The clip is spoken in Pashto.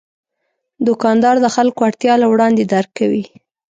دوکاندار د خلکو اړتیا له وړاندې درک کوي.